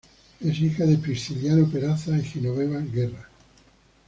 Es hija de Prisciliano Peraza y Genoveva Guerra.